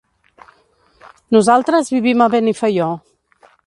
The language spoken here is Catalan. Nosaltres vivim a Benifaió.